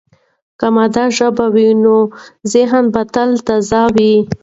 که مادي ژبه وي، نو ذهن به تل تازه وي.